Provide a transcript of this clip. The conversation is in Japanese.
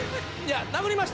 殴りました。